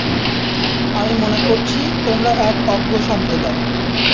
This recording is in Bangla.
আমি মনে করছি, তোমরা এক অজ্ঞ সম্প্রদায়।